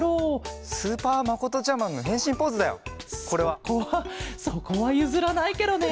そこはそこはゆずらないケロね。